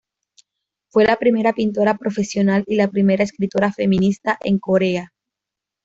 Fue la primera pintora profesional y la primera escritora feminista en Corea.